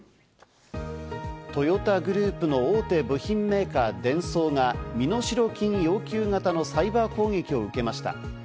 トヨタグループの大手部品メーカー、デンソーが身代金要求型のサイバー攻撃を受けました。